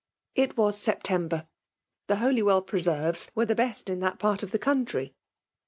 It was September. The Holywell pre serves vrere the best in that part of the country.